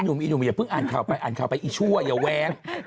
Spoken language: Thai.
หนุ่มเดี๋ยวพึ่งอ่านเข้าไปอ่านเข้าไปอีชั่วอย่าแวง